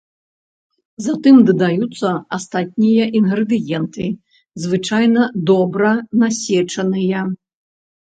Затым дадаюцца астатнія інгрэдыенты, звычайна дробна насечаныя.